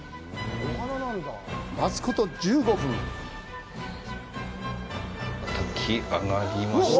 待つこと１５分たき上がりました。